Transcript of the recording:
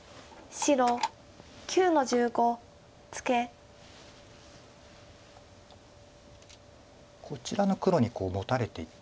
こちらの黒にこうモタれていってます。